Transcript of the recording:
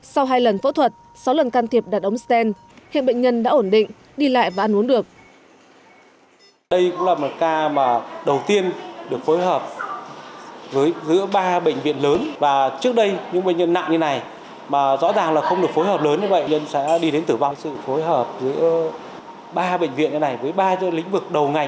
sau hai lần phẫu thuật sáu lần can thiệp đặt ống stent hiện bệnh nhân đã ổn định đi lại và ăn uống được